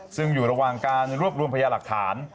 ซึ่งอยู่ระหว่างการรวบรวมพยาหลักฐาน